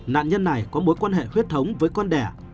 nạn nhân này có mối quan hệ huyết thống với con đẻ